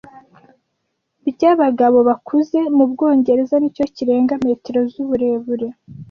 byabagabo bakuze mubwongereza nicyo kirenga metero z'uburebure